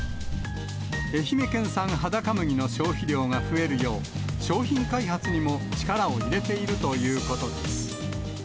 愛媛県産はだか麦の消費量が増えるよう、商品開発にも力を入れているということです。